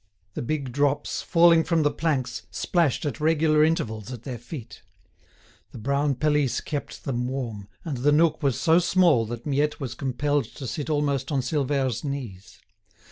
The big drops, falling from the planks, splashed at regular intervals at their feet. The brown pelisse kept them warm, and the nook was so small that Miette was compelled to sit almost on Silvère's knees.